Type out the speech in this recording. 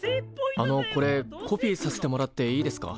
あのこれコピーさせてもらっていいですか？